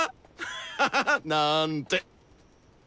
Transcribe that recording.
ハハハなんて！